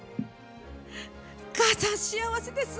母さん、幸せです！